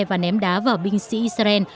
và ném đá vào binh sĩ israel